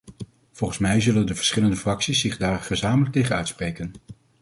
Volgens mij zullen de verschillende fracties zich daar gezamenlijk tegen uitspreken.